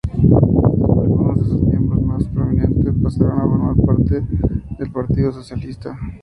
Algunos de sus miembros más prominentes pasaron a formar parte del Partido Socialista.